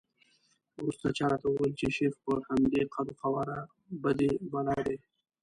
وروسته چا راته وویل چې شیخ په همدې قد وقواره بدي بلا دی.